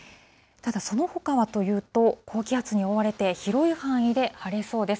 ただ、そのほかはというと、高気圧に覆われて、広い範囲で晴れそうです。